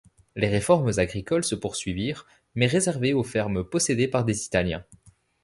Les réformes agricoles se poursuivirent, mais réservées aux fermes possédées par des Italiens.